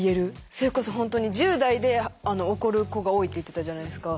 それこそ本当に１０代で起こる子が多いって言ってたじゃないですか。